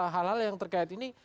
hal hal yang terkait ini